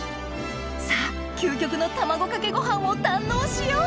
さぁ究極の卵かけご飯を堪能しよう